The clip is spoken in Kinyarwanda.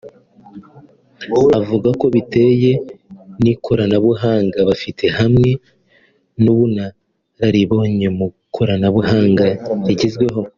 avuga ko bitewe n’ikoranabuhanga bafite hamwe n’ubunararibonye mu ikoranabuhanga rigezweho